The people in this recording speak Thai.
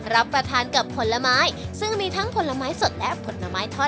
รับประทานกับผลไม้ซึ่งมีทั้งผลไม้สดและผลไม้ทอด